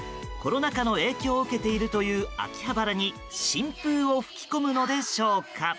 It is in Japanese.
コロナ禍の影響を受けているという秋葉原に新風を吹き込むのでしょうか。